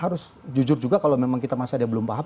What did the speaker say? harus jujur juga kalau memang kita masih ada belum paham